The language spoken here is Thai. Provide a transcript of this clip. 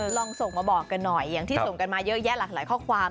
ลองส่งมาบอกกันหน่อยอย่างที่ส่งกันมาเยอะแยะหลากหลายข้อความ